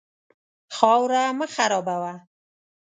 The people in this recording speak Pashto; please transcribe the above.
خاوره مه خرابوه.